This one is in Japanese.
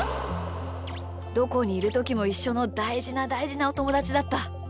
どこにいるときもいっしょのだいじなだいじなおともだちだった。